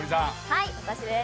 はい私です。